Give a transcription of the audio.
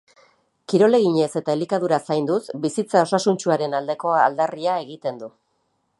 Kirol eginez eta elikadura zainduz, bizitza osasuntsuaren aldeko aldarria egiten du.